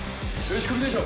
よし。